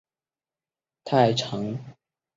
黄初元年改为太常。